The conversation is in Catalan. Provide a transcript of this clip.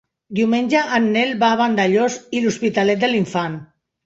Diumenge en Nel va a Vandellòs i l'Hospitalet de l'Infant.